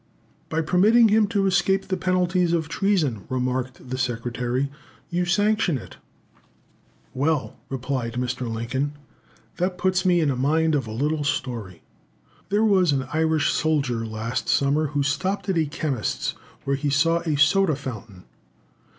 "By permitting him to escape the penalties of treason," remarked the Secretary, "you sanction it." "Well," replied Mr. Lincoln, "that puts me in mind of a little story. There was an Irish soldier last summer who stopped at a chemist's, where he saw a soda fountain.